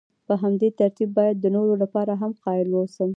په همدې ترتیب باید د نورو لپاره هم قایل واوسم.